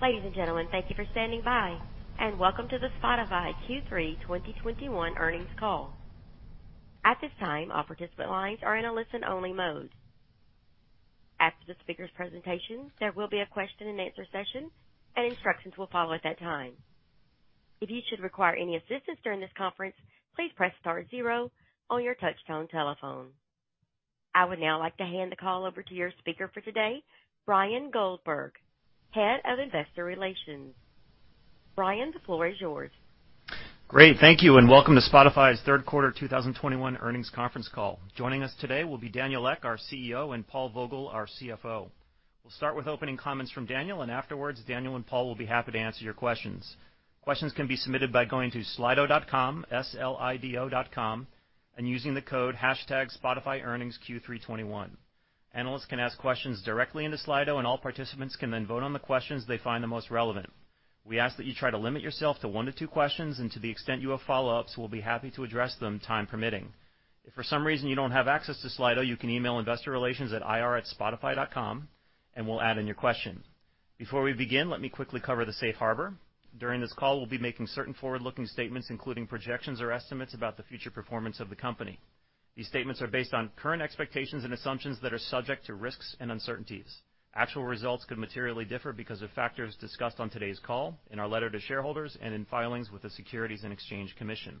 Ladies and gentlemen, thank you for standing by, and Welcome to the Spotify Q3 2021 Earnings Call. At this time, all participant lines are in a listen-only mode. After the speakers' presentation, there will be a question-and-answer session, and instructions will follow at that time. If you should require any assistance during this conference, please press star zero on your touchtone telephone. I would now like to hand the call over to your speaker for today, Bryan Goldberg, Head of Investor Relations. Bryan, the floor is yours. Great. Thank you, and welcome to Spotify's Third Quarter 2021 Earnings Conference call. Joining us today will be Daniel Ek, our CEO, and Paul Vogel, our CFO. We'll start with opening comments from Daniel, and afterwards, Daniel and Paul will be happy to answer your questions. Questions can be submitted by going to slido.com, S-L-I-D-O.com, and using the code hashtag SpotifyearningsQ3 2021. Analysts can ask questions directly into Slido, and all participants can then vote on the questions they find the most relevant. We ask that you try to limit yourself to one to two questions, and to the extent you have follow-ups, we'll be happy to address them, time permitting. If for some reason you don't have access to Slido, you can email investor relations at ir@spotify.com, and we'll add in your question. Before we begin, let me quickly cover the Safe Harbor. During this call, we'll be making certain forward-looking statements, including projections or estimates about the future performance of the company. These statements are based on current expectations and assumptions that are subject to risks and uncertainties. Actual results could materially differ because of factors discussed on today's call, in our letter to shareholders, and in filings with the Securities and Exchange Commission.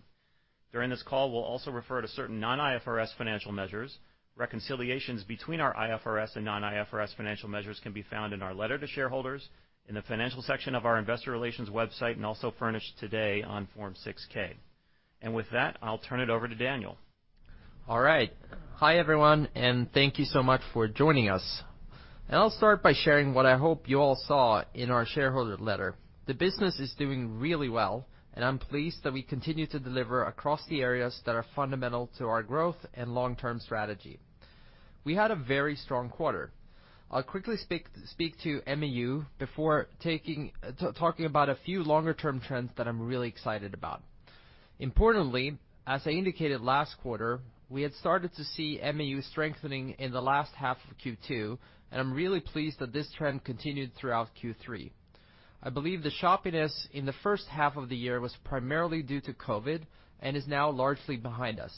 During this call, we'll also refer to certain non-IFRS financial measures. Reconciliations between our IFRS and non-IFRS financial measures can be found in our letter to shareholders, in the financial section of our investor relations website, and also furnished today on Form 6-K. With that, I'll turn it over to Daniel. All right. Hi, everyone, and thank you so much for joining us. I'll start by sharing what I hope you all saw in our shareholder letter. The business is doing really well, and I'm pleased that we continue to deliver across the areas that are fundamental to our growth and long-term strategy. We had a very strong quarter. I'll quickly speak to MAU before talking about a few longer-term trends that I'm really excited about. Importantly, as I indicated last quarter, we had started to see MAU strengthening in the last half of Q2, and I'm really pleased that this trend continued throughout Q3. I believe the choppiness in the first half of the year was primarily due to COVID and is now largely behind us.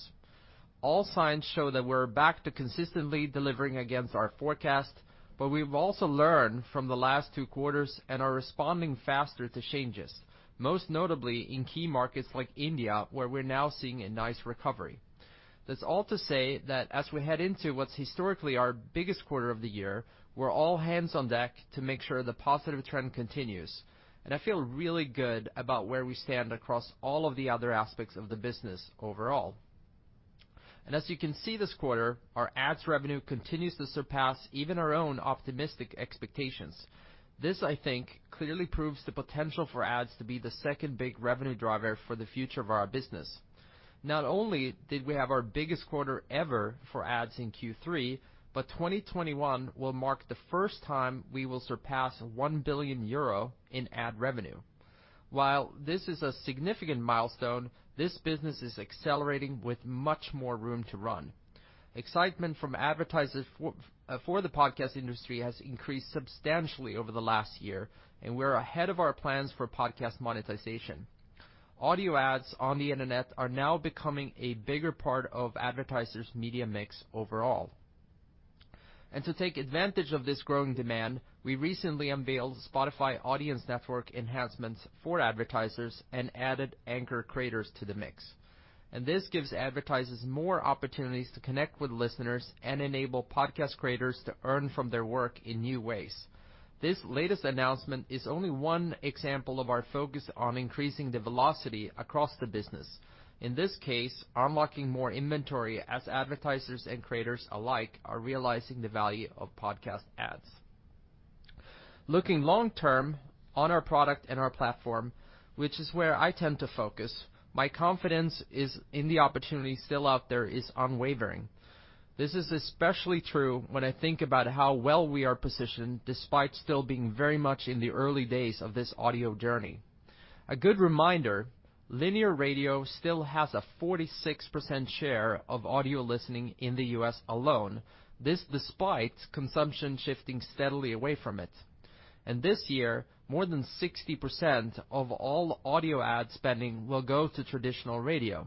All signs show that we're back to consistently delivering against our forecast, but we've also learned from the last two quarters and are responding faster to changes, most notably in key markets like India, where we're now seeing a nice recovery. That's all to say that as we head into what's historically our biggest quarter of the year, we're all hands on deck to make sure the positive trend continues. I feel really good about where we stand across all of the other aspects of the business overall. As you can see this quarter, our ads revenue continues to surpass even our own optimistic expectations. This, I think, clearly proves the potential for ads to be the second big revenue driver for the future of our business. Not only did we have our biggest quarter ever for ads in Q3, but 2021 will mark the first time we will surpass 1 billion euro in ad revenue. While this is a significant milestone, this business is accelerating with much more room to run. Excitement from advertisers for the podcast industry has increased substantially over the last year, and we're ahead of our plans for podcast monetization. Audio ads on the internet are now becoming a bigger part of advertisers' media mix overall. To take advantage of this growing demand, we recently unveiled Spotify Audience Network enhancements for advertisers and added Anchor creators to the mix. This gives advertisers more opportunities to connect with listeners and enable podcast creators to earn from their work in new ways. This latest announcement is only one example of our focus on increasing the velocity across the business. In this case, unlocking more inventory as advertisers and creators alike are realizing the value of podcast ads. Looking long-term on our product and our platform, which is where I tend to focus, my confidence is in the opportunity still out there is unwavering. This is especially true when I think about how well we are positioned despite still being very much in the early days of this audio journey. A good reminder, linear radio still has a 46% share of audio listening in the U.S. alone. This despite consumption shifting steadily away from it. This year, more than 60% of all audio ad spending will go to traditional radio.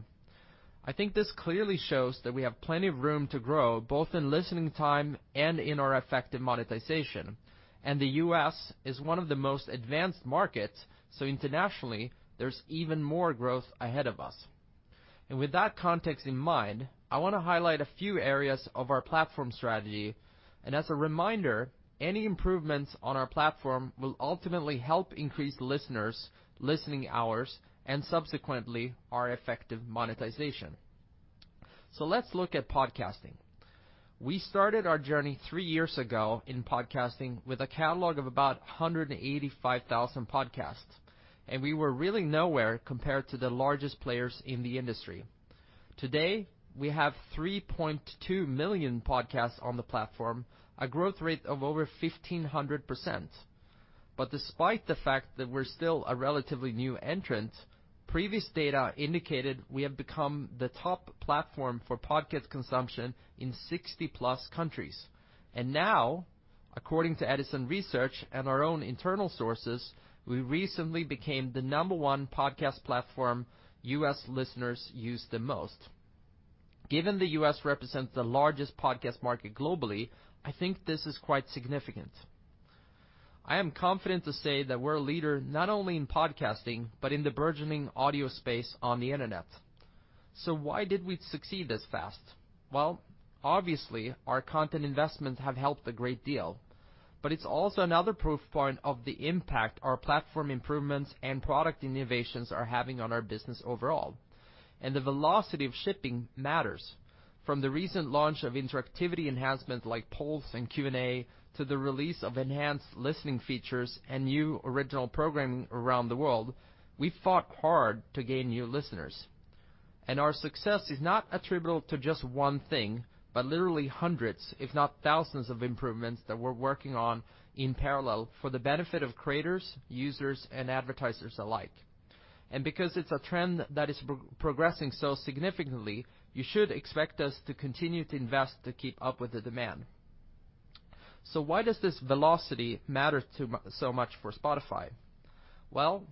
I think this clearly shows that we have plenty of room to grow, both in listening time and in our effective monetization. The U.S. is one of the most advanced markets, so internationally, there's even more growth ahead of us. With that context in mind, I wanna highlight a few areas of our platform strategy. As a reminder, any improvements on our platform will ultimately help increase listeners, listening hours, and subsequently, our effective monetization. Let's look at podcasting. We started our journey three years ago in podcasting with a catalog of about 185,000 podcasts, and we were really nowhere compared to the largest players in the industry. Today, we have 3.2 million podcasts on the platform, a growth rate of over 1,500%. Despite the fact that we're still a relatively new entrant, previous data indicated we have become the top platform for podcast consumption in 60+ countries. Now, according to Edison Research and our own internal sources, we recently became the number one podcast platform U.S. listeners use the most. Given the U.S. represents the largest podcast market globally, I think this is quite significant. I am confident to say that we're a leader not only in podcasting, but in the burgeoning audio space on the Internet. Why did we succeed this fast? Well, obviously, our content investments have helped a great deal, but it's also another proof point of the impact our platform improvements and product innovations are having on our business overall. The velocity of shipping matters. From the recent launch of interactivity enhancements like polls and Q&A to the release of enhanced listening features and new original programming around the world, we fought hard to gain new listeners. Our success is not attributable to just one thing, but literally hundreds, if not thousands of improvements that we're working on in parallel for the benefit of creators, users, and advertisers alike. Because it's a trend that is pro-progressing so significantly, you should expect us to continue to invest to keep up with the demand. Why does this velocity matter so much for Spotify? Well,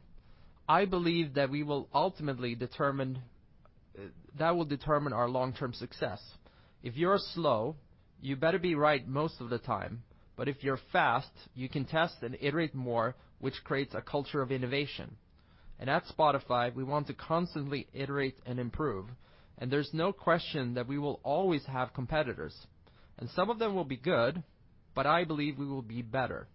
I believe that we will ultimately determine our long-term success. If you're slow, you better be right most of the time. If you're fast, you can test and iterate more, which creates a culture of innovation. At Spotify, we want to constantly iterate and improve, and there's no question that we will always have competitors. Some of them will be good, but I believe we will be better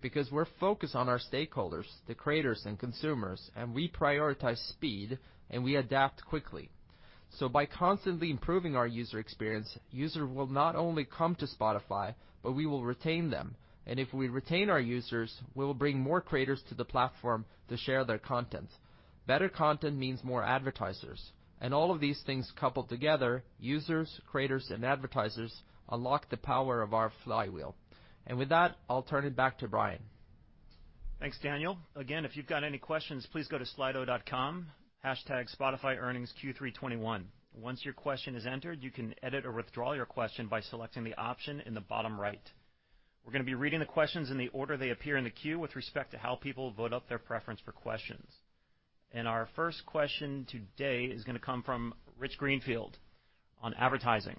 because we're focused on our stakeholders, the creators and consumers, and we prioritize speed, and we adapt quickly. By constantly improving our user experience, user will not only come to Spotify, but we will retain them. If we retain our users, we'll bring more creators to the platform to share their content. Better content means more advertisers. All of these things coupled together, users, creators, and advertisers, unlock the power of our flywheel. With that, I'll turn it back to Bryan. Thanks, Daniel. Again, if you've got any questions, please go to slido.com, hashtag SpotifyEarningsQ3 2021. Once your question is entered, you can edit or withdraw your question by selecting the option in the bottom right. We're gonna be reading the questions in the order they appear in the queue with respect to how people vote up their preference for questions. Our first question today is gonna come from Rich Greenfield on advertising.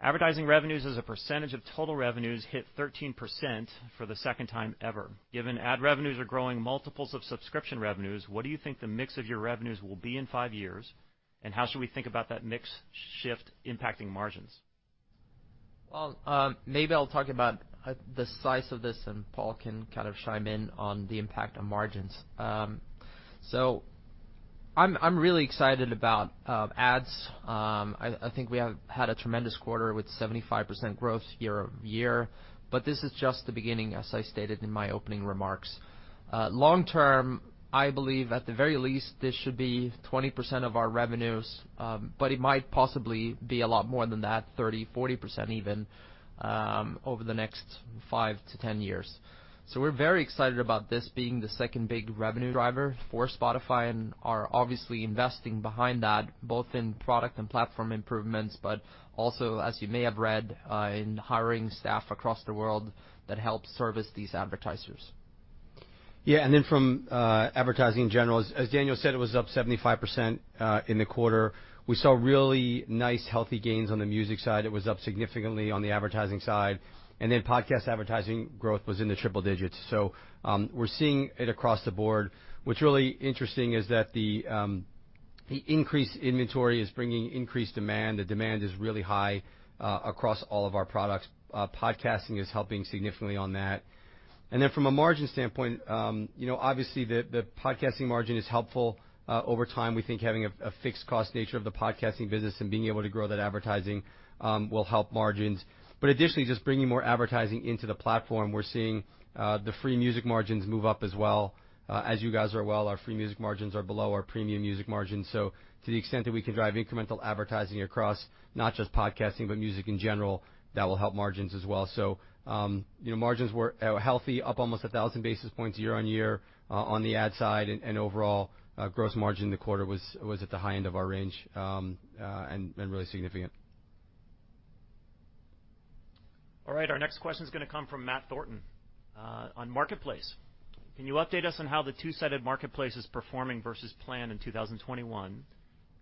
Advertising revenues as a percentage of total revenues hit 13% for the second time ever. Given ad revenues are growing multiples of subscription revenues, what do you think the mix of your revenues will be in five years? How should we think about that mix shift impacting margins? Well, maybe I'll talk about the size of this, and Paul can kind of chime in on the impact on margins. I'm really excited about ads. I think we have had a tremendous quarter with 75% growth year-over-year, but this is just the beginning, as I stated in my opening remarks. Long-term, I believe at the very least, this should be 20% of our revenues, but it might possibly be a lot more than that, 30%, 40% even, over the next five to 10 years. We're very excited about this being the second big revenue driver for Spotify and are obviously investing behind that, both in product and platform improvements, but also, as you may have read, in hiring staff across the world that help service these advertisers. Yeah. From advertising in general, as Daniel said, it was up 75% in the quarter. We saw really nice, healthy gains on the music side. It was up significantly on the advertising side. Podcast advertising growth was in the triple digits. We're seeing it across the board. What's really interesting is that the increased inventory is bringing increased demand. The demand is really high across all of our products. Podcasting is helping significantly on that. From a margin standpoint, you know, obviously the podcasting margin is helpful. Over time, we think having a fixed cost nature of the podcasting business and being able to grow that advertising will help margins. Additionally, just bringing more advertising into the platform, we're seeing the free music margins move up as well. As you guys are well, our free music margins are below our premium music margins. To the extent that we can drive incremental advertising across not just podcasting, but music in general, that will help margins as well. You know, margins were healthy, up almost 1000 basis points year-on-year on the ad side and overall, gross margin in the quarter was at the high end of our range and really significant. All right, our next question is gonna come from Matt Thornton on Marketplace. Can you update us on how the two-sided Marketplace is performing vs plan in 2021?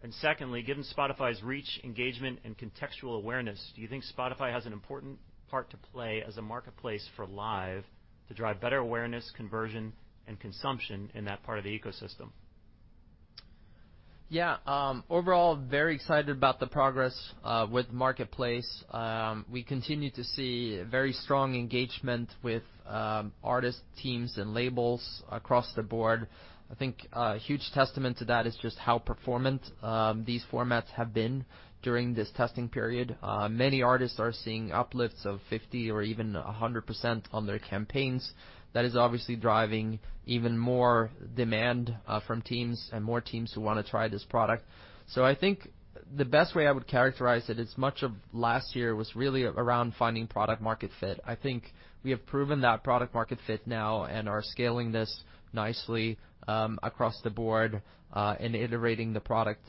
And secondly, given Spotify's reach, engagement, and contextual awareness, do you think Spotify has an important part to play as a marketplace for Live to drive better awareness, conversion, and consumption in that part of the ecosystem? Yeah. Overall, very excited about the progress with Marketplace. We continue to see very strong engagement with artists, teams, and labels across the board. I think a huge testament to that is just how performant these formats have been during this testing period. Many artists are seeing uplifts of 50% or even 100% on their campaigns. That is obviously driving even more demand from teams and more teams who wanna try this product. The best way I would characterize it is much of last year was really around finding product market fit. I think we have proven that product market fit now and are scaling this nicely across the board and iterating the product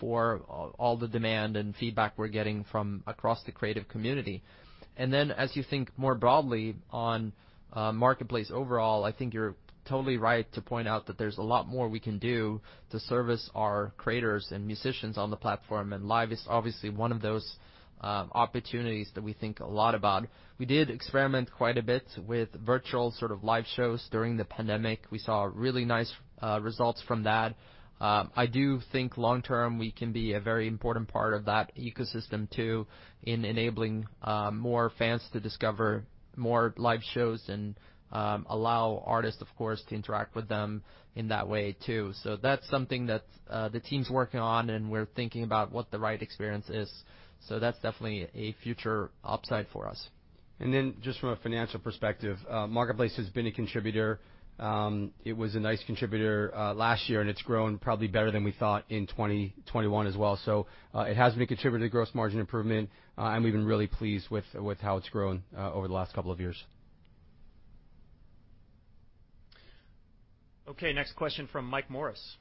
for all the demand and feedback we're getting from across the creative community. As you think more broadly on Marketplace overall, I think you're totally right to point out that there's a lot more we can do to service our creators and musicians on the platform, and Live is obviously one of those opportunities that we think a lot about. We did experiment quite a bit with virtual sort of live shows during the pandemic. We saw really nice results from that. I do think long term, we can be a very important part of that ecosystem too in enabling more fans to discover more live shows and allow artists, of course, to interact with them in that way too. That's something that the team's working on, and we're thinking about what the right experience is. That's definitely a future upside for us. Just from a financial perspective, Marketplace has been a contributor. It was a nice contributor last year, and it's grown probably better than we thought in 2021 as well. It has been a contributor to gross margin improvement, and we've been really pleased with how it's grown over the last couple of years. Okay, next question from Mike Morris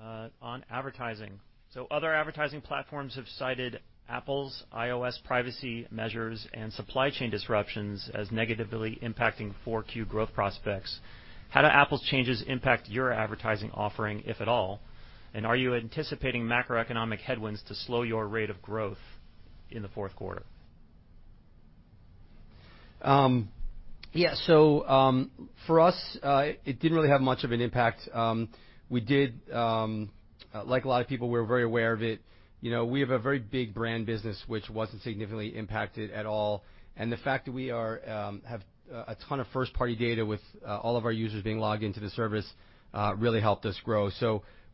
on advertising. Other advertising platforms have cited Apple's iOS privacy measures and supply chain disruptions as negatively impacting Q4 growth prospects. How do Apple's changes impact your advertising offering, if at all? And are you anticipating macroeconomic headwinds to slow your rate of growth in the fourth quarter? Yeah. For us, it didn't really have much of an impact. We did, like a lot of people, we were very aware of it. You know, we have a very big brand business which wasn't significantly impacted at all. The fact that we have a ton of first-party data with all of our users being logged into the service really helped us grow.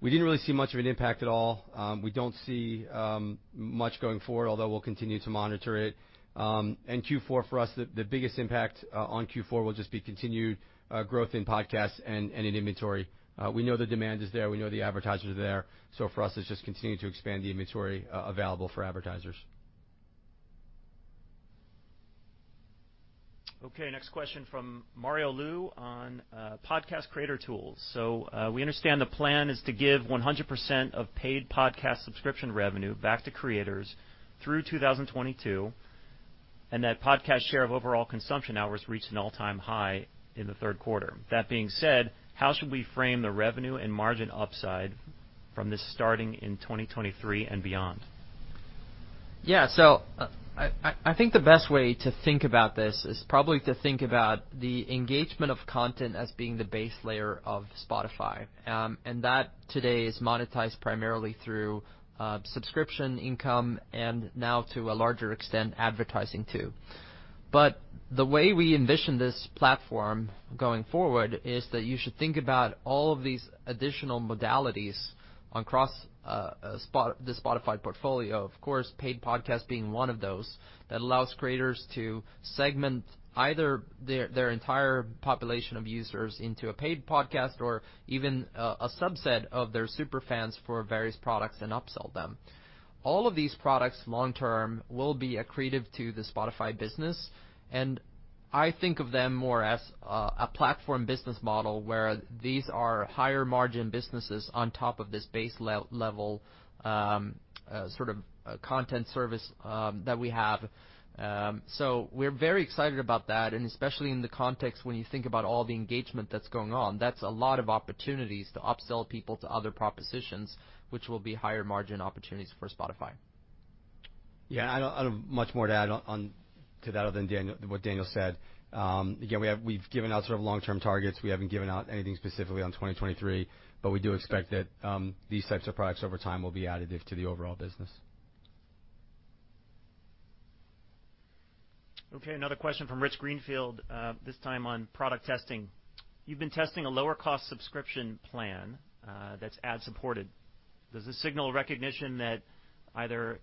We didn't really see much of an impact at all. We don't see much going forward, although we'll continue to monitor it. Q4 for us, the biggest impact on Q4 will just be continued growth in podcasts and in inventory. We know the demand is there, we know the advertisers are there. For us, it's just continuing to expand the inventory available for advertisers. Okay, next question from Mario Lu on podcast creator tools. We understand the plan is to give 100% of paid podcast subscription revenue back to creators through 2022, and that podcast share of overall consumption hours reached an all-time high in the third quarter. That being said, how should we frame the revenue and margin upside from this starting in 2023 and beyond? Yeah. I think the best way to think about this is probably to think about the engagement of content as being the base layer of Spotify. That today is monetized primarily through subscription income and now to a larger extent, advertising too. The way we envision this platform going forward is that you should think about all of these additional modalities across the Spotify portfolio, of course, paid podcast being one of those, that allows creators to segment either their entire population of users into a paid podcast or even a subset of their super fans for various products and upsell them. All of these products long term will be accretive to the Spotify business, and I think of them more as a platform business model where these are higher margin businesses on top of this base level, sort of, content service that we have. We're very excited about that, and especially in the context when you think about all the engagement that's going on. That's a lot of opportunities to upsell people to other propositions, which will be higher margin opportunities for Spotify. Yeah. I don't have much more to add on to that other than Daniel, what Daniel said. Again, we've given out sort of long-term targets. We haven't given out anything specifically on 2023, but we do expect that these types of products over time will be additive to the overall business. Okay, another question from Rich Greenfield, this time on product testing. You've been testing a lower cost subscription plan that's ad-supported. Does this signal a recognition that either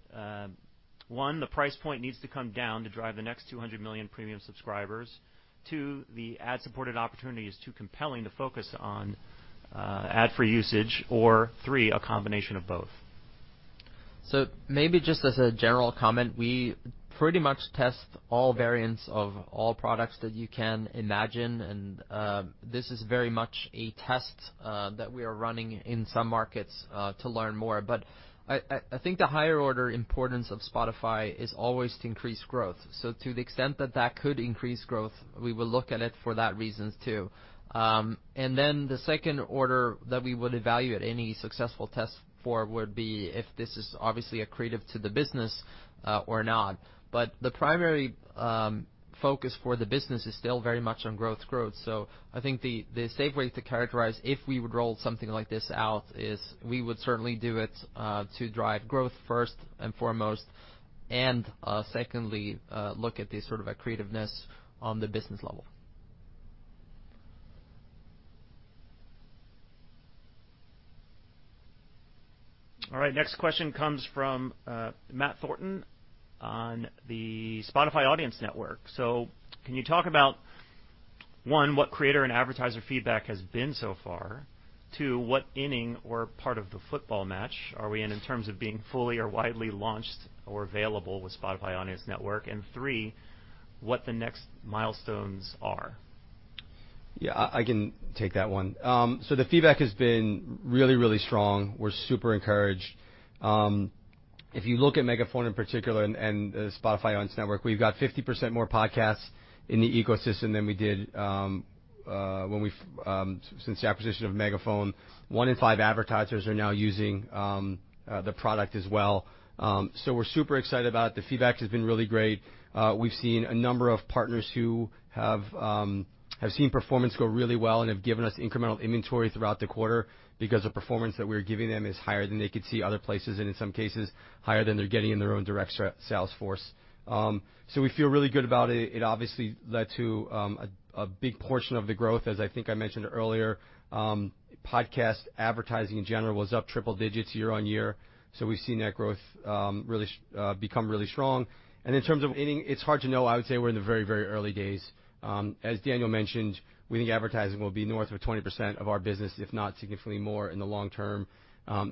one, the price point needs to come down to drive the next 200 million premium subscribers, two, the ad-supported opportunity is too compelling to focus on ad for usage, or three, a combination of both? Maybe just as a general comment, we pretty much test all variants of all products that you can imagine, and this is very much a test that we are running in some markets to learn more. I think the higher order importance of Spotify is always to increase growth. To the extent that that could increase growth, we will look at it for that reason too. Then the second order that we would evaluate any successful test for would be if this is obviously accretive to the business or not. The primary focus for the business is still very much on growth. I think the safe way to characterize if we would roll something like this out is we would certainly do it to drive growth first and foremost, and secondly look at the sort of accretiveness on the business level. All right. Next question comes from Matt Thornton on the Spotify Audience Network. Can you talk about one, what creator and advertiser feedback has been so far? Two, what inning or part of the football match are we in terms of being fully or widely launched or available with Spotify Audience Network? And three, what the next milestones are. Yeah, I can take that one. The feedback has been really, really strong. We're super encouraged. If you look at Megaphone in particular and Spotify Audience Network, we've got 50% more podcasts in the ecosystem than we did since the acquisition of Megaphone. One in five advertisers are now using the product as well. We're super excited about it. The feedback has been really great. We've seen a number of partners who have seen performance go really well and have given us incremental inventory throughout the quarter because the performance that we're giving them is higher than they could see other places, and in some cases, higher than they're getting in their own direct sales force. We feel really good about it. It obviously led to a big portion of the growth, as I think I mentioned earlier. Podcast advertising in general was up triple digits year-over-year. We've seen that growth really become really strong. In terms of timing, it's hard to know. I would say we're in the very, very early days. As Daniel mentioned, we think advertising will be north of 20% of our business, if not significantly more in the long term.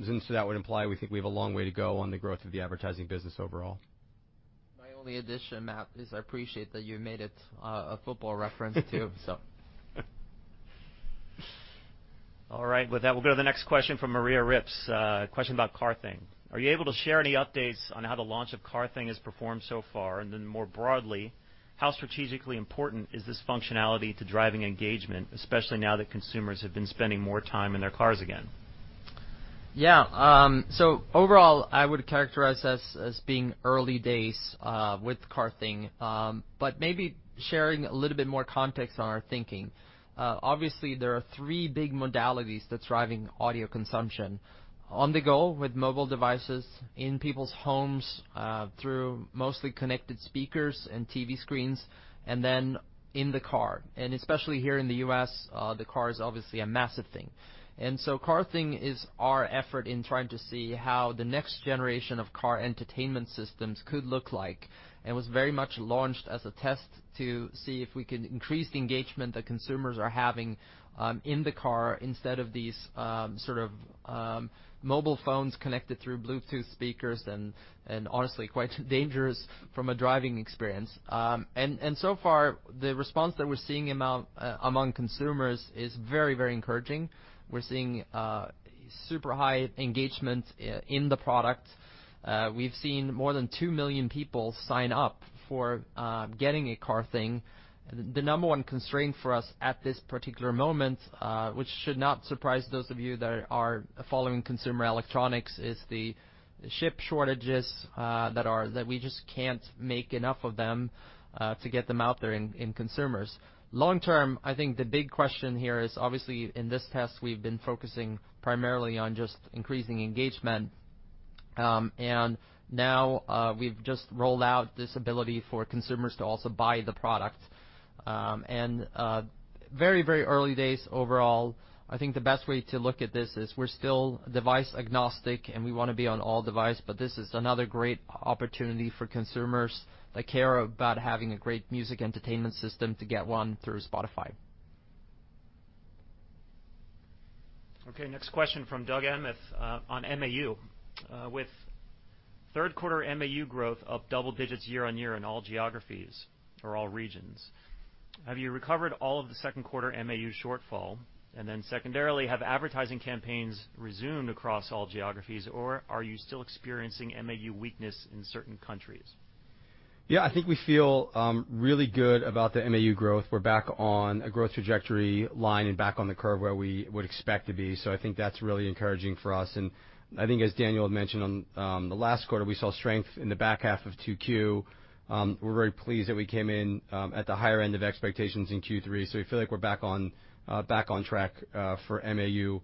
Since that would imply, we think we have a long way to go on the growth of the advertising business overall. My only addition, Matt, is I appreciate that you made it a football reference too. All right. With that, we'll go to the next question from Maria Ripps. A question about Car Thing. Are you able to share any updates on how the launch of Car Thing has performed so far? More broadly, how strategically important is this functionality to driving engagement, especially now that consumers have been spending more time in their cars again? Yeah. Overall, I would characterize this as being early days with Car Thing. Maybe sharing a little bit more context on our thinking. Obviously, there are three big modalities that's driving audio consumption: on the go with mobile devices, in people's homes, through mostly connected speakers and TV screens, and then in the car. Especially here in the U.S., the car is obviously a massive thing. Car Thing is our effort in trying to see how the next generation of car entertainment systems could look like. It was very much launched as a test to see if we could increase the engagement that consumers are having in the car instead of these sort of mobile phones connected through Bluetooth speakers and honestly, quite dangerous from a driving experience. So far, the response that we're seeing among consumers is very, very encouraging. We're seeing super high engagement in the product. We've seen more than 2 million people sign up for getting a Car Thing. The number one constraint for us at this particular moment, which should not surprise those of you that are following consumer electronics, is the chip shortages that we just can't make enough of them to get them out there to consumers. Long term, I think the big question here is, obviously, in this test, we've been focusing primarily on just increasing engagement. Now we've just rolled out this ability for consumers to also buy the product. Very early days overall. I think the best way to look at this is we're still device agnostic, and we wanna be on all device, but this is another great opportunity for consumers that care about having a great music entertainment system to get one through Spotify. Okay, next question from Doug Anmuth, on MAU. With third quarter MAU growth up double digits year-over-year in all geographies or all regions, have you recovered all of the second quarter MAU shortfall? Secondarily, have advertising campaigns resumed across all geographies, or are you still experiencing MAU weakness in certain countries? Yeah. I think we feel really good about the MAU growth. We're back on a growth trajectory line and back on the curve where we would expect to be. I think that's really encouraging for us. I think as Daniel had mentioned on the last quarter, we saw strength in the back half of 2Q. We're very pleased that we came in at the higher end of expectations in Q3. We feel like we're back on track for MAU.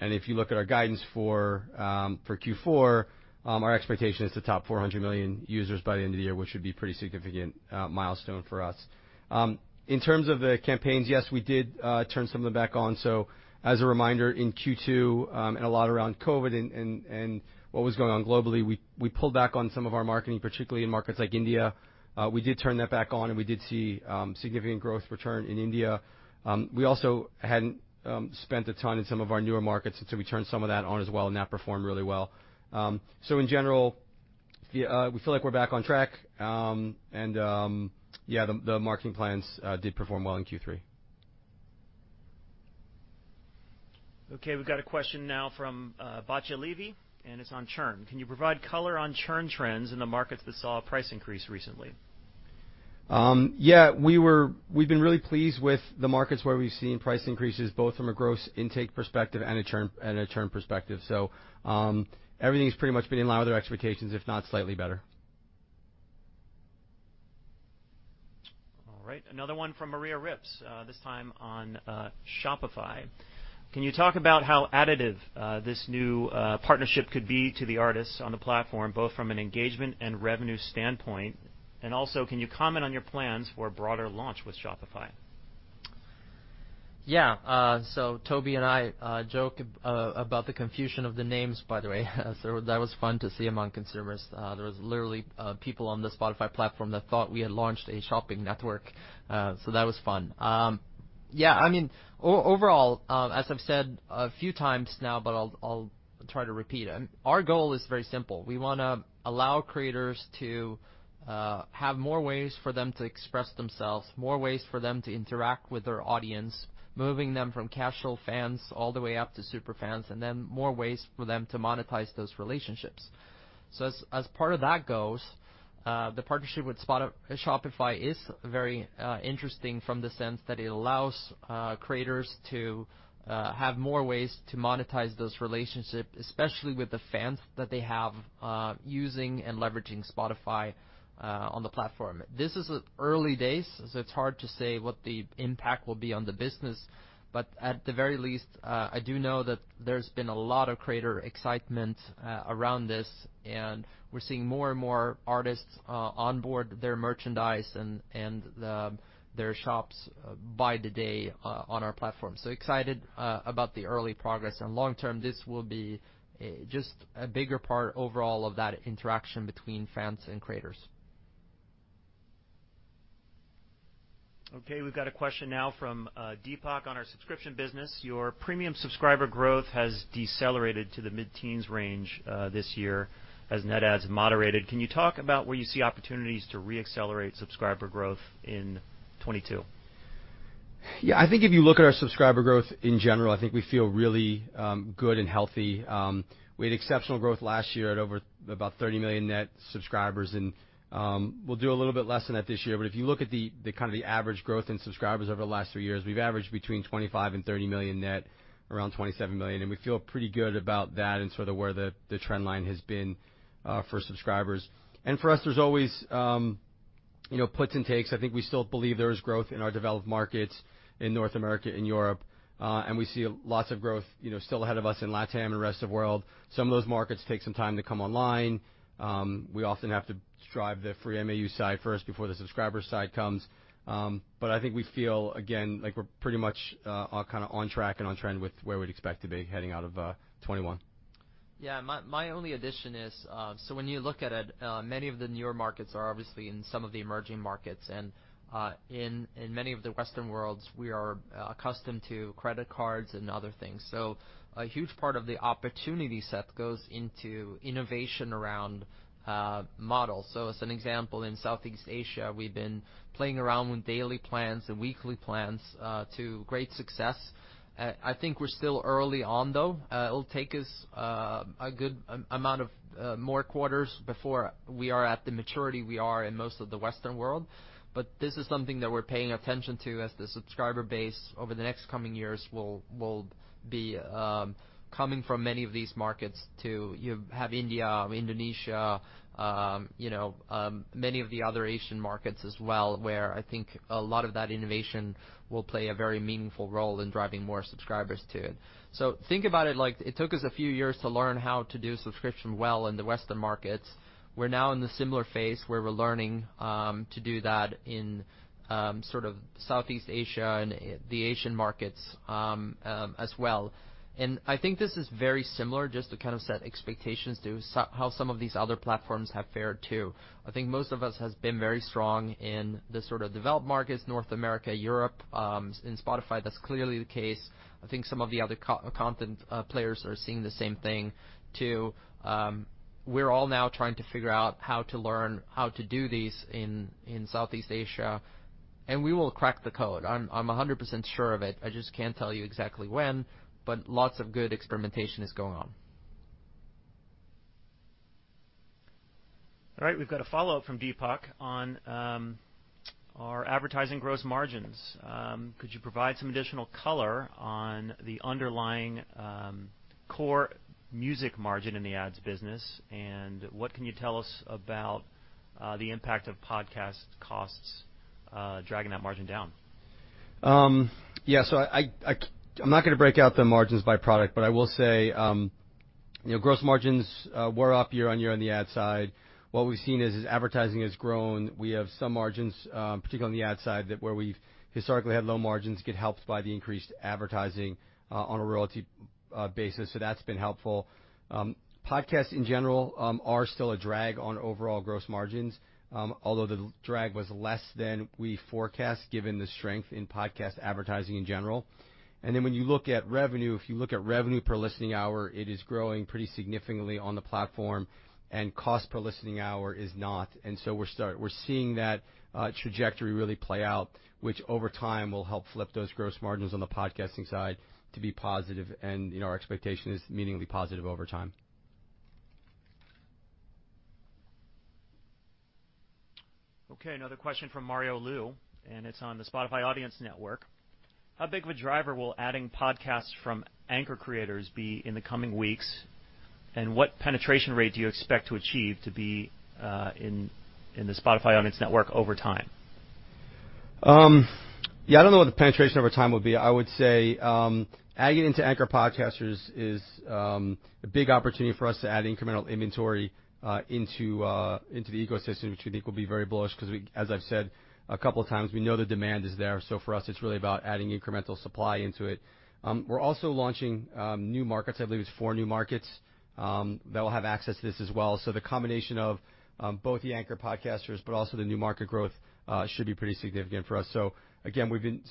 If you look at our guidance for Q4, our expectation is to top 400 million users by the end of the year, which would be pretty significant milestone for us. In terms of the campaigns, yes, we did turn some of them back on. As a reminder, in Q2, and a lot around COVID and what was going on globally, we pulled back on some of our marketing, particularly in markets like India. We did turn that back on, and we did see significant growth return in India. We also hadn't spent a ton in some of our newer markets, so we turned some of that on as well, and that performed really well. In general, we feel like we're back on track. Yeah, the marketing plans did perform well in Q3. Okay, we've got a question now from Batya Levi, and it's on churn. Can you provide color on churn trends in the markets that saw a price increase recently? Yeah. We've been really pleased with the markets where we've seen price increases, both from a gross intake perspective and a churn perspective. Everything's pretty much been in line with our expectations, if not slightly better. All right. Another one from Maria Ripps, this time on Shopify. Can you talk about how additive this new partnership could be to the artists on the platform, both from an engagement and revenue standpoint? Also, can you comment on your plans for a broader launch with Shopify? Yeah. Tobi and I joke about the confusion of the names, by the way. That was fun to see among consumers. There was literally people on the Spotify platform that thought we had launched a shopping network. That was fun. Yeah, I mean, overall, as I've said a few times now, but I'll try to repeat. Our goal is very simple. We want to allow creators to have more ways for them to express themselves, more ways for them to interact with their audience, moving them from casual fans all the way up to super fans, and then more ways for them to monetize those relationships. As part of that, the partnership with Shopify is very interesting from the sense that it allows creators to have more ways to monetize those relationships, especially with the fans that they have, using and leveraging Spotify on the platform. This is early days, so it's hard to say what the impact will be on the business. At the very least, I do know that there's been a lot of creator excitement around this, and we're seeing more and more artists onboard their merchandise and their shops by the day on our platform. Excited about the early progress. Long term, this will be just a bigger part overall of that interaction between fans and creators. Okay, we've got a question now from Deepak on our subscription business. Your Premium subscriber growth has decelerated to the mid-teens range this year as net adds moderated. Can you talk about where you see opportunities to reaccelerate subscriber growth in 2022? Yeah. I think if you look at our subscriber growth in general, I think we feel really good and healthy. We had exceptional growth last year at over about 30 million net subscribers, and we'll do a little bit less than that this year. But if you look at the kind of the average growth in subscribers over the last three years, we've averaged between 25 and 30 million net, around 27 million, and we feel pretty good about that and sort of where the trend line has been for subscribers. For us, there's always, you know, puts and takes. I think we still believe there is growth in our developed markets in North America and Europe, and we see lots of growth, you know, still ahead of us in LatAm and the rest of world. Some of those markets take some time to come online. We often have to drive the free MAU side first before the subscriber side comes. I think we feel, again, like we're pretty much kind of on track and on trend with where we'd expect to be heading out of 2021. Yeah. My only addition is, when you look at it, many of the newer markets are obviously in some of the emerging markets. In many of the Western worlds, we are accustomed to credit cards and other things. A huge part of the opportunity set goes into innovation around models. As an example, in Southeast Asia, we've been playing around with daily plans and weekly plans to great success. I think we're still early on, though. It'll take us a good amount of more quarters before we are at the maturity we are in most of the Western world. This is something that we're paying attention to as the subscriber base over the next coming years will be coming from many of these markets too. You have India, Indonesia, you know, many of the other Asian markets as well, where I think a lot of that innovation will play a very meaningful role in driving more subscribers too. So think about it like it took us a few years to learn how to do subscription well in the Western markets. We're now in the similar phase where we're learning to do that in sort of Southeast Asia and the Asian markets as well. I think this is very similar, just to kind of set expectations, to how some of these other platforms have fared too. I think most users have been very strong in the sort of developed markets, North America, Europe. In Spotify, that's clearly the case. I think some of the other content players are seeing the same thing too. We're all now trying to figure out how to learn how to do these in Southeast Asia, and we will crack the code. I'm 100% sure of it. I just can't tell you exactly when, but lots of good experimentation is going on. All right, we've got a follow-up from Deepak on our advertising gross margins. Could you provide some additional color on the underlying core music margin in the ads business? And what can you tell us about the impact of podcast costs dragging that margin down? Yeah. I'm not gonna break out the margins by product, but I will say, you know, gross margins were up year-on-year on the ad side. What we've seen is, as advertising has grown, we have some margins, particularly on the ad side, that where we've historically had low margins get helped by the increased advertising, on a royalty basis. That's been helpful. Podcasts in general are still a drag on overall gross margins, although the drag was less than we forecast, given the strength in podcast advertising in general. When you look at revenue, if you look at revenue per listening hour, it is growing pretty significantly on the platform, and cost per listening hour is not. We're seeing that trajectory really play out, which over time will help flip those gross margins on the podcasting side to be positive. You know, our expectation is meaningfully positive over time. Okay, another question from Mario Lu, and it's on the Spotify Audience Network. How big of a driver will adding podcasts from Anchor creators be in the coming weeks, and what penetration rate do you expect to achieve to be in the Spotify Audience Network over time? Yeah, I don't know what the penetration over time will be. I would say, adding into Anchor podcasters is a big opportunity for us to add incremental inventory into the ecosystem, which we think will be very bullish because as I've said a couple of times, we know the demand is there. For us, it's really about adding incremental supply into it. We're also launching new markets. I believe it's four new markets that will have access to this as well. The combination of both the Anchor podcasters, but also the new market growth should be pretty significant for us. Again, we've been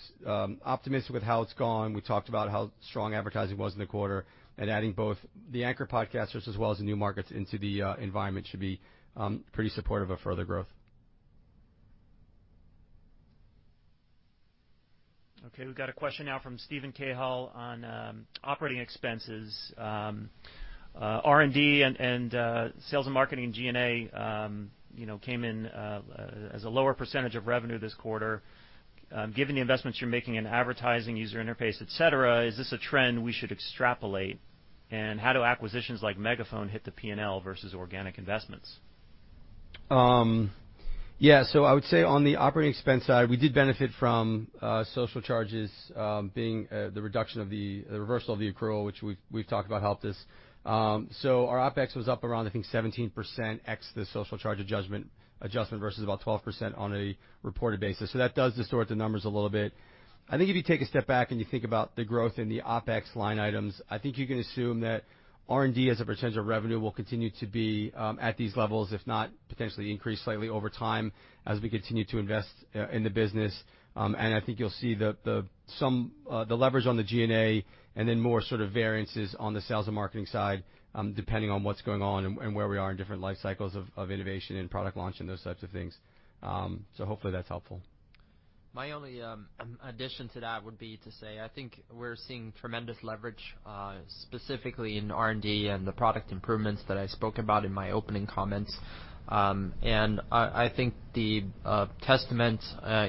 optimistic with how it's gone. We talked about how strong advertising was in the quarter and adding both the Anchor podcasters as well as the new markets into the environment should be pretty supportive of further growth. Okay, we've got a question now from Steven Cahall on operating expenses. R&D and sales and marketing G&A, you know, came in as a lower percentage of revenue this quarter. Given the investments you're making in advertising, user interface, et cetera, is this a trend we should extrapolate? How do acquisitions like Megaphone hit the P&L vs organic investments? I would say on the operating expense side, we did benefit from social charges being the reversal of the accrual, which we've talked about helped us. Our OpEx was up around, I think, 17% ex the social charge adjustment vs about 12% on a reported basis. That does distort the numbers a little bit. I think if you take a step back and you think about the growth in the OpEx line items, I think you can assume that R&D as a potential revenue will continue to be at these levels, if not potentially increase slightly over time as we continue to invest in the business. I think you'll see the leverage on the G&A and then more sort of variances on the sales and marketing side, depending on what's going on and where we are in different life cycles of innovation and product launch and those types of things. Hopefully that's helpful. My only addition to that would be to say, I think we're seeing tremendous leverage, specifically in R&D and the product improvements that I spoke about in my opening comments. I think the testament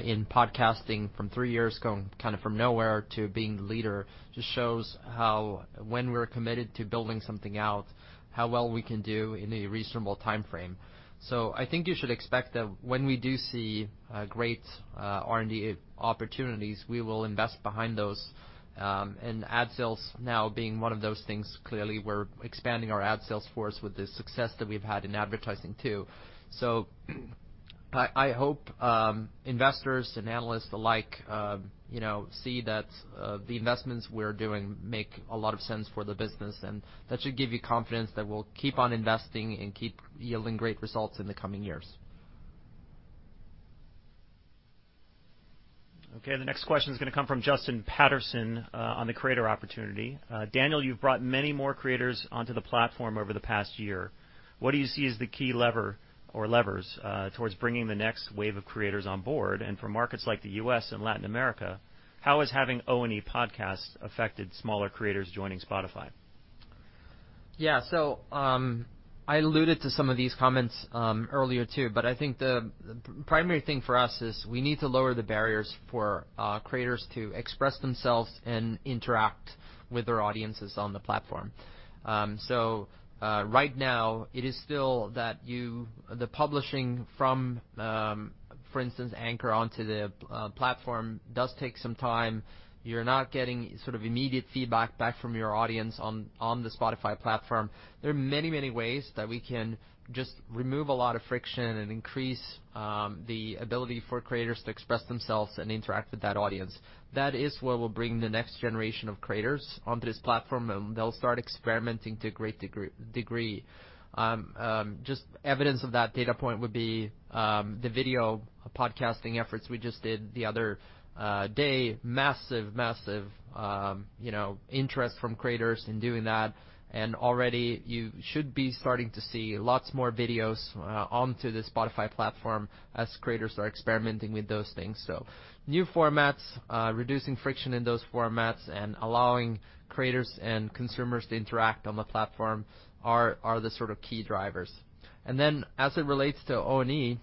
in podcasting from three years going kind of from nowhere to being the leader just shows how when we're committed to building something out, how well we can do in a reasonable timeframe. I think you should expect that when we do see great R&D opportunities, we will invest behind those, and ad sales now being one of those things. Clearly, we're expanding our ad sales force with the success that we've had in advertising too. I hope investors and analysts alike you know see that the investments we're doing make a lot of sense for the business, and that should give you confidence that we'll keep on investing and keep yielding great results in the coming years. Okay, the next question is going to come from Justin Patterson on the creator opportunity. Daniel, you've brought many more creators onto the platform over the past year. What do you see as the key lever or levers towards bringing the next wave of creators on board? For markets like the U.S. and Latin America, how has having O&E podcasts affected smaller creators joining Spotify? I alluded to some of these comments earlier too, but I think the primary thing for us is we need to lower the barriers for creators to express themselves and interact with their audiences on the platform. Right now it is still that the publishing from, for instance, Anchor onto the platform does take some time. You're not getting sort of immediate feedback back from your audience on the Spotify platform. There are many ways that we can just remove a lot of friction and increase the ability for creators to express themselves and interact with that audience. That is where we'll bring the next generation of creators onto this platform, and they'll start experimenting to a great degree. Just evidence of that data point would be the video podcasting efforts we just did the other day. Massive you know interest from creators in doing that. Already you should be starting to see lots more videos onto the Spotify platform as creators are experimenting with those things. New formats reducing friction in those formats and allowing creators and consumers to interact on the platform are the sort of key drivers. Then as it relates to O&E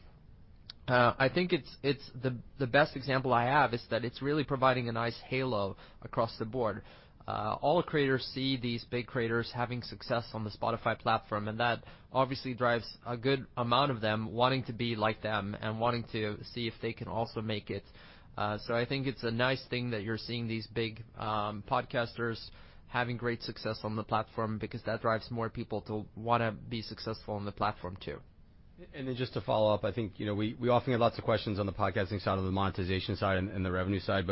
I think it's the best example I have is that it's really providing a nice halo across the board. All the creators see these big creators having success on the Spotify platform and that obviously drives a good amount of them wanting to be like them and wanting to see if they can also make it. I think it's a nice thing that you're seeing these big podcasters having great success on the platform because that drives more people to wanna be successful on the platform too. Then just to follow up, I think, you know, we often get lots of questions on the podcasting side or the monetization side and the revenue side.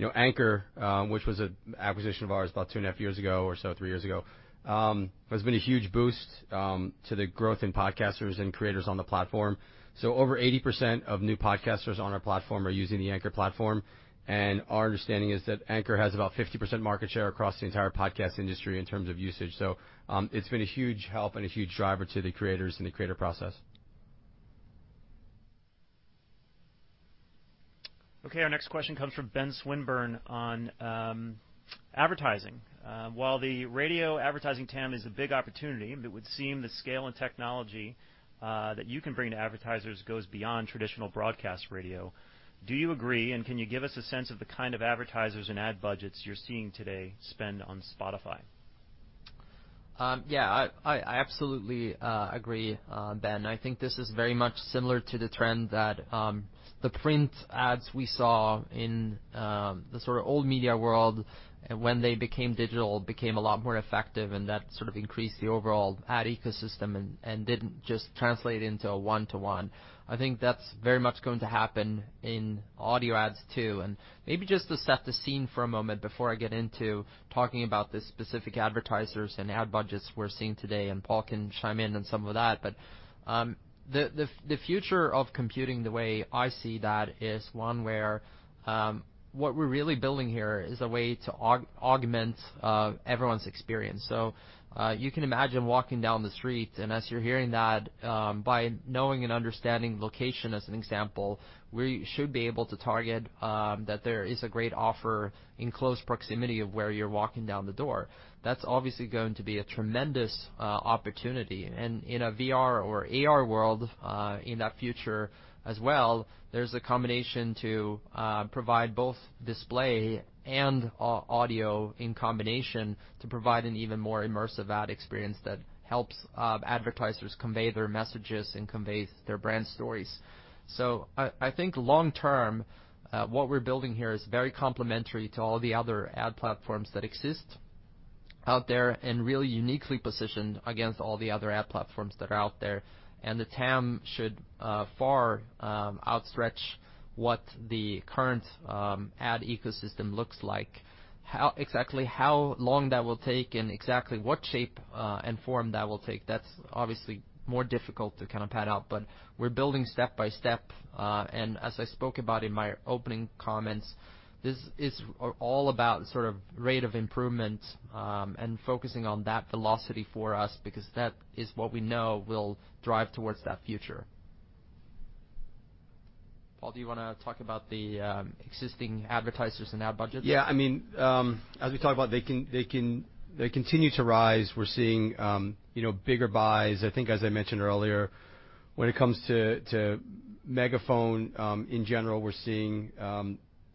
You know, Anchor, which was an acquisition of ours about 2.5 years ago or so, three years ago, has been a huge boost to the growth in podcasters and creators on the platform. Over 80% of new podcasters on our platform are using the Anchor platform, and our understanding is that Anchor has about 50% market share across the entire podcast industry in terms of usage. It's been a huge help and a huge driver to the creators and the creator process. Okay. Our next question comes from Ben Swinburne on advertising. While the radio advertising TAM is a big opportunity, it would seem the scale and technology that you can bring to advertisers goes beyond traditional broadcast radio. Do you agree? And can you give us a sense of the kind of advertisers and ad budgets you're seeing today spend on Spotify? Yeah, I absolutely agree, Ben. I think this is very much similar to the trend that the print ads we saw in the sort of old media world when they became digital, became a lot more effective, and that sort of increased the overall ad ecosystem and didn't just translate into a one-to-one. I think that's very much going to happen in audio ads too. Maybe just to set the scene for a moment before I get into talking about the specific advertisers and ad budgets we're seeing today, and Paul can chime in on some of that. The future of computing, the way I see that, is one where what we're really building here is a way to augment everyone's experience. You can imagine walking down the street, and as you're hearing that, by knowing and understanding location, as an example, we should be able to target that there is a great offer in close proximity of where you're walking down the road. That's obviously going to be a tremendous opportunity. In a VR or AR world, in that future as well, there's a combination to provide both display and audio in combination to provide an even more immersive ad experience that helps advertisers convey their messages and convey their brand stories. I think long term, what we're building here is very complementary to all the other ad platforms that exist out there and really uniquely positioned against all the other ad platforms that are out there. The TAM should far outstretch what the current ad ecosystem looks like. Exactly how long that will take and exactly what shape and form that will take, that's obviously more difficult to kind of flesh out, but we're building step by step. As I spoke about in my opening comments, this is all about sort of rate of improvement and focusing on that velocity for us, because that is what we know will drive towards that future. Paul, do you wanna talk about the existing advertisers and ad budgets? I mean, as we talked about, they continue to rise. We're seeing, you know, bigger buys. I think as I mentioned earlier, when it comes to Megaphone, in general, we're seeing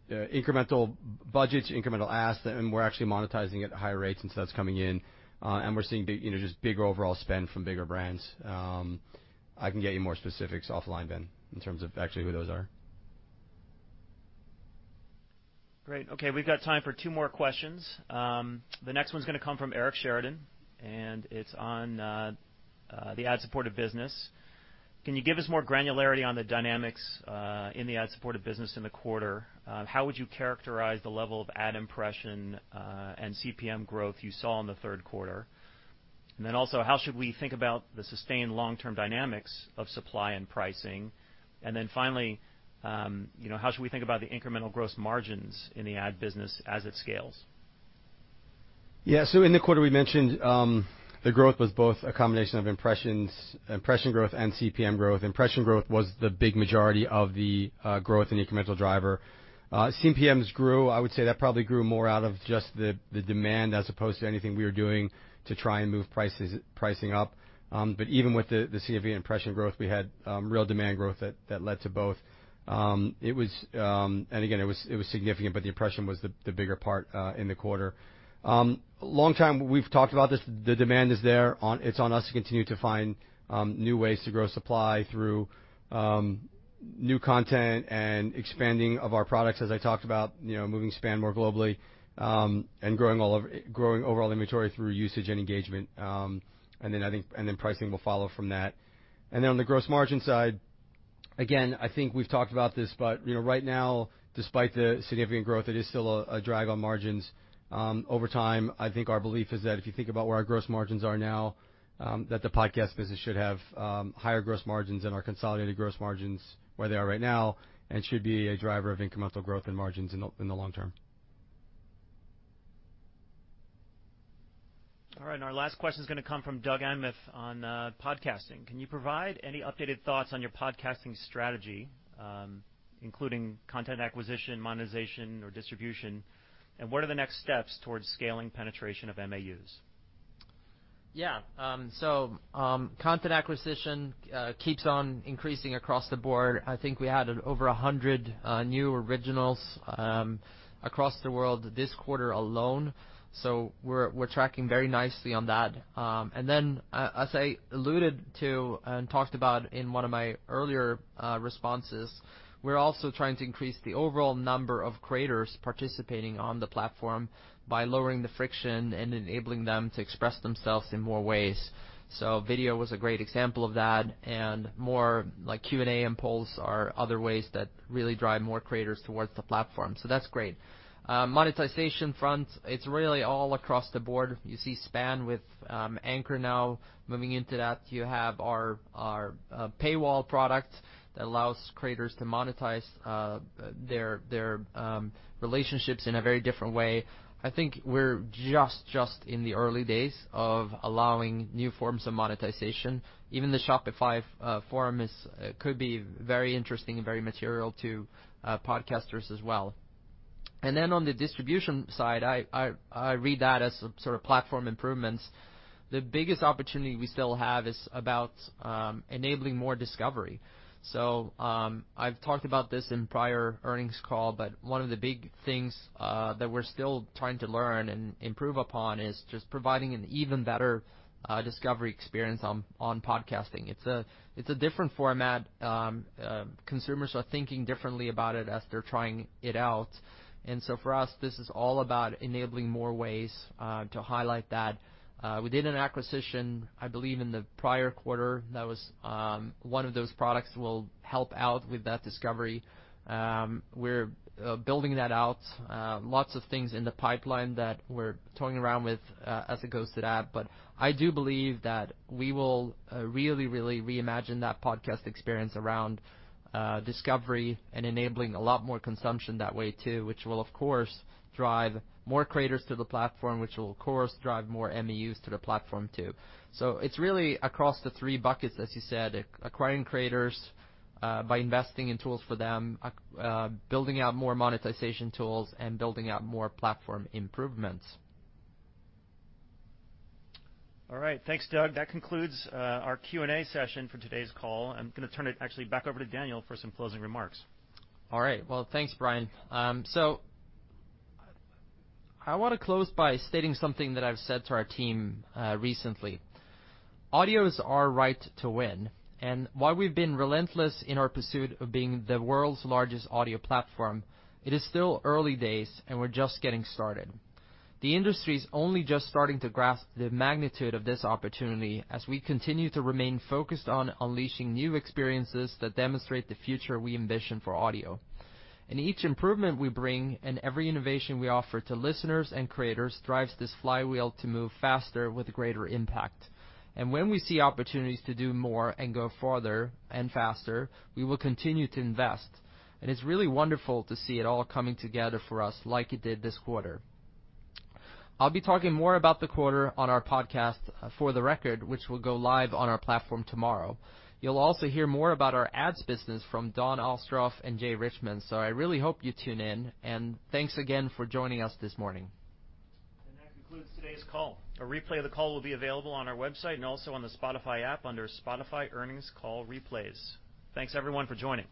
incremental budgets, incremental ads, and we're actually monetizing at higher rates since that's coming in. And we're seeing big, you know, just bigger overall spend from bigger brands. I can get you more specifics offline, Ben, in terms of actually who those are. Great. Okay, we've got time for two more questions. The next one's gonna come from Eric Sheridan, and it's on the ad-supported business. Can you give us more granularity on the dynamics in the ad-supported business in the quarter? How would you characterize the level of ad impression and CPM growth you saw in the third quarter? And then also, how should we think about the sustained long-term dynamics of supply and pricing? And then finally, you know, how should we think about the incremental gross margins in the ad business as it scales? Yeah. In the quarter we mentioned, the growth was both a combination of impressions, impression growth and CPM growth. Impression growth was the big majority of the growth and incremental driver. CPMs grew. I would say that probably grew more out of just the demand as opposed to anything we were doing to try and move prices, pricing up. Even with the significant impression growth, we had real demand growth that led to both. It was significant, but the impression was the bigger part in the quarter. For a long time we've talked about this, the demand is there on. It's on us to continue to find new ways to grow supply through new content and expanding of our products, as I talked about, you know, moving SPAN more globally, and growing overall inventory through usage and engagement. Pricing will follow from that. On the gross margin side, again, I think we've talked about this, but, you know, right now, despite the significant growth, it is still a drag on margins. Over time, I think our belief is that if you think about where our gross margins are now, that the podcast business should have higher gross margins than our consolidated gross margins where they are right now and should be a driver of incremental growth in margins in the long term. All right. Our last question is gonna come from Doug Anmuth on podcasting. Can you provide any updated thoughts on your podcasting strategy, including content acquisition, monetization, or distribution? What are the next steps towards scaling penetration of MAUs? Yeah. Content acquisition keeps on increasing across the board. I think we added over 100 new originals across the world this quarter alone, so we're tracking very nicely on that. Then as I alluded to and talked about in one of my earlier responses, we're also trying to increase the overall number of creators participating on the platform by lowering the friction and enabling them to express themselves in more ways. Video was a great example of that, and more like Q&A and polls are other ways that really drive more creators towards the platform. That's great. Monetization front, it's really all across the board. You see SPAN with Anchor now. Moving into that, you have our paywall product that allows creators to monetize their relationships in a very different way. I think we're just in the early days of allowing new forms of monetization. Even the Shopify form could be very interesting and very material to podcasters as well. On the distribution side, I read that as sort of platform improvements. The biggest opportunity we still have is about enabling more discovery. I've talked about this in prior earnings call, but one of the big things that we're still trying to learn and improve upon is just providing an even better discovery experience on podcasting. It's a different format. Consumers are thinking differently about it as they're trying it out. For us, this is all about enabling more ways to highlight that. We did an acquisition, I believe, in the prior quarter that was one of those products will help out with that discovery. We're building that out. Lots of things in the pipeline that we're toying around with as it goes to that. I do believe that we will really reimagine that podcast experience around discovery and enabling a lot more consumption that way too, which will, of course, drive more creators to the platform, which will, of course, drive more MAUs to the platform too. It's really across the three buckets, as you said, acquiring creators by investing in tools for them, building out more monetization tools, and building out more platform improvements. All right. Thanks, Doug. That concludes our Q&A session for today's call. I'm gonna turn it actually back over to Daniel for some closing remarks. All right. Well, thanks, Bryan. So I wanna close by stating something that I've said to our team recently. Audio is our right to win, and while we've been relentless in our pursuit of being the world's largest audio platform, it is still early days, and we're just getting started. The industry is only just starting to grasp the magnitude of this opportunity as we continue to remain focused on unleashing new experiences that demonstrate the future we envision for audio. Each improvement we bring and every innovation we offer to listeners and creators drives this flywheel to move faster with greater impact. When we see opportunities to do more and go farther and faster, we will continue to invest. It's really wonderful to see it all coming together for us like it did this quarter. I'll be talking more about the quarter on our podcast, For the Record, which will go live on our platform tomorrow. You'll also hear more about our ads business from Dawn Ostroff and Jay Richman. I really hope you tune in, and thanks again for joining us this morning. That concludes today's call. A replay of the call will be available on our website and also on the Spotify app under Spotify Earnings Call Replays. Thanks, everyone, for joining.